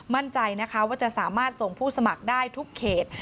มั่นใจนะคะว่าจะสามารถส่งผู้สมัครได้ทุกเขต